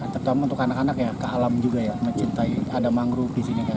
terutama untuk anak anak ya ke alam juga ya mencintai ada mangrove di sini kan